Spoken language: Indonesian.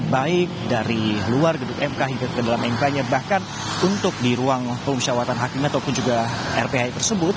baik dari luar gedung mk hingga ke dalam mk nya bahkan untuk di ruang pemusyawaratan hakim ataupun juga rphi tersebut